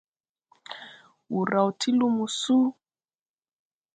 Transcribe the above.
Wùr ráw ti lumo súu.